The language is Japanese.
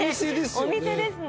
お店ですね。